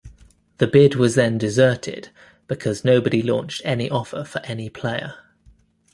The bid was then deserted because nobody launched any offer for any player.